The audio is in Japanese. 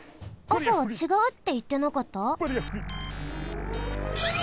あさはちがうっていってなかった？